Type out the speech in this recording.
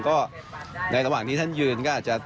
ก็ในระหว่างที่ท่านยืนก็อาจจะ